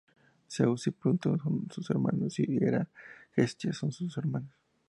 Zeus y Plutón son sus hermanos, y Hera y Hestia son sus hermanas.